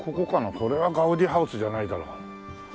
これはガウディハウスじゃないだろう。